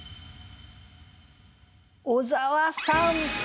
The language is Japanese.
小沢さん。